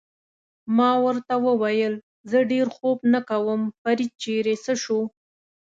ما ورته وویل: زه ډېر خوب نه کوم، فرید چېرې څه شو؟